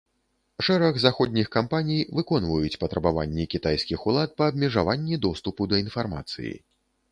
Шэраг заходніх кампаній выконваюць патрабаванні кітайскіх улад па абмежаванні доступу да інфармацыі.